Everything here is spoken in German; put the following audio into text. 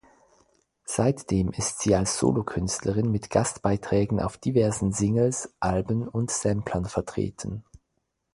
Seitdem ist sie als Solokünstlerin mit Gastbeiträgen auf diversen Singles, Alben und Samplern vertreten.